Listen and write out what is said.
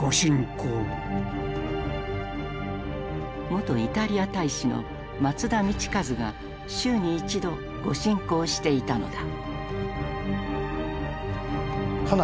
元イタリア大使の松田道一が週に一度御進講していたのだ。